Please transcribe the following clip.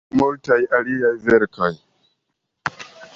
Multaj aliaj verkoj.